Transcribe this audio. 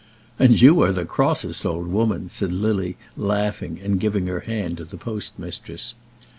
"And you are the crossest old woman," said Lily, laughing, and giving her hand to the postmistress.